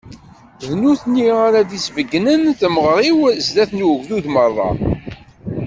D nutni ara d-isbeggnen temɣer-iw zdat n ugdud meṛṛa.